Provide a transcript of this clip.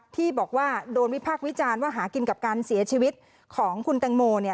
ที่บอกว่าโดนวิพากษ์วิจารณ์ว่าหากินกับการเสียชีวิตของคุณแตงโม